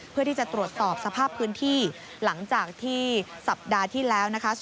เพื่อที่จะตรวจสอบสภาพพื้นที่หลังจากที่สัปดาห์ที่แล้วนะคะ